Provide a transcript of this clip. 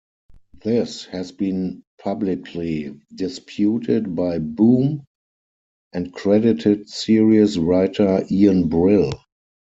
This has been publicly disputed by Boom and credited series writer Ian Brill.